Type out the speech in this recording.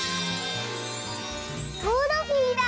トロフィーだ！